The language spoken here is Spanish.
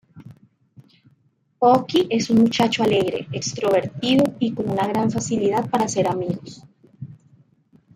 Oki es un muchacho alegre, extrovertido y con una gran facilidad para hacer amigos.